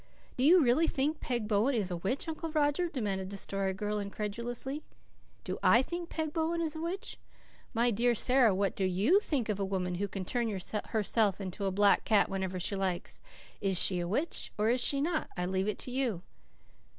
"Do you really think Peg Bowen is a witch, Uncle Roger?" demanded the Story Girl incredulously. "Do I think Peg Bowen is a witch? My dear Sara, what do YOU think of a woman who can turn herself into a black cat whenever she likes? Is she a witch? Or is she not? I leave it to you."